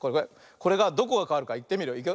これがどこがかわるかいってみるよ。